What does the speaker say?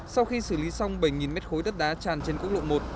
sau khi xử lý xong bảy m ba đất đá tràn trên quốc lộ một